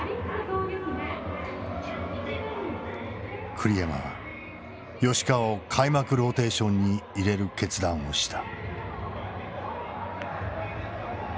栗山は吉川を開幕ローテーションに入れる決断をした。